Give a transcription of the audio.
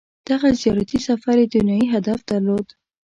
• دغه زیارتي سفر یې دنیايي هدف درلود.